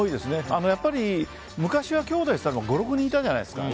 やっぱり昔はきょうだいが５６人いたじゃないですか。